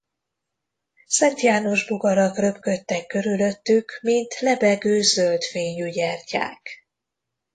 Szentjánosbogarak röpködtek körülöttük, mint lebegő zöld fényű gyertyák.